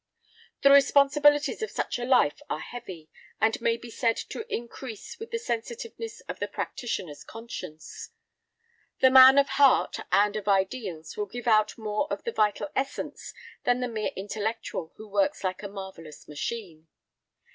The responsibilities of such a life are heavy, and may be said to increase with the sensitiveness of the practitioner's conscience. The man of heart and of ideals will give out more of the vital essence than the mere intellectual who works like a marvellous machine.